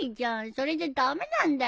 それじゃ駄目なんだよ。